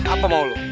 apa mau lu